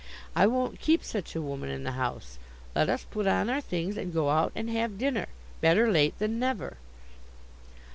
I won't keep such a woman in the house. Let us put on our things and go out and have dinner. Better late than never."